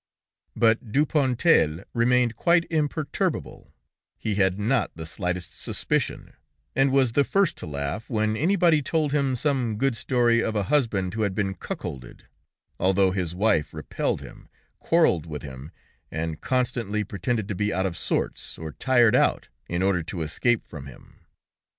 But Dupontel remained quite imperturbable; he had not the slightest suspicion, and was the first to laugh when anybody told him some good story of a husband who had been cuckolded, although his wife repelled him, quarreled with him, and constantly pretended to be out of sorts or tired out, in order to escape from him.